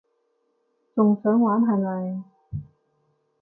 仲想玩係咪？